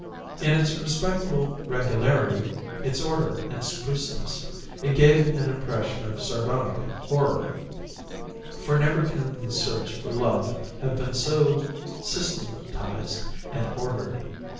In its respectable regularity, its order and spruceness, it gave an impression of sardonic horror; for never can the search for love have been so systematised and ordered.